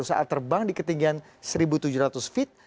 saat terbang di ketinggian seribu tujuh ratus feet